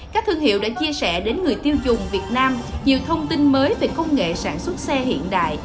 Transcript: các thương hiệu đã chia sẻ đến người tiêu dùng việt nam nhiều thông tin mới về công nghệ sản xuất xe hiện đại